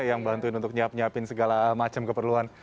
yang bantuin untuk nyiap nyiapin segala macam keperluan